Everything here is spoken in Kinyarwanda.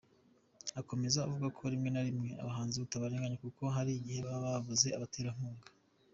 Akomeza avuga ko rimwe na rimwe abahanzi atabarenganya kuko hari igihe baba babuze abaterankunga.